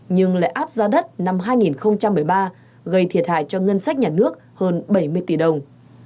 nhưng lại áp ra đất năm hai nghìn một mươi ba gây thiệt hại cho ngân sách nhà nước hơn bảy mươi tỷ đồng